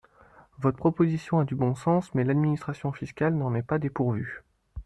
Votre proposition a du bon sens mais l’administration fiscale n’en est pas dépourvue.